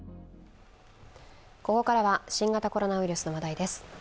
ここからは新型コロナウイルスの話題です。